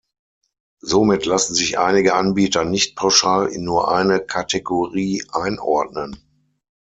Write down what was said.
Somit lassen sich einige Anbieter nicht pauschal in nur eine Kategorie einordnen.